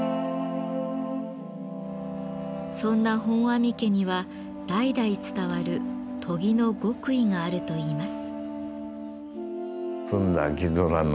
そんな本阿弥家には代々伝わる「研ぎの極意」があるといいます。